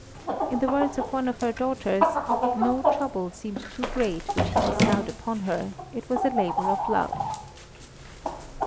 In the words of one of their daughters, "No trouble seemed too great which he bestowed upon her; it was a labour of love."